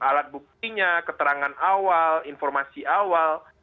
alat buktinya keterangan awal informasi awal